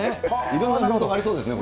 いろんなルートがありそうでですね。